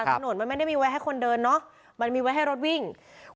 ถนนมันไม่ได้มีไว้ให้คนเดินเนอะมันมีไว้ให้รถวิ่ง